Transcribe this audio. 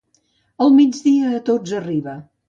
El migdia a tots arriba.